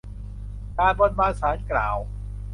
การบนบานศาลกล่าว